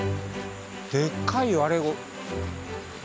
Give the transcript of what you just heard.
でっかいよあれ。